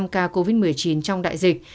một trăm linh ca covid một mươi chín trong đại dịch